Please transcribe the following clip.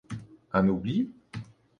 Un oubli?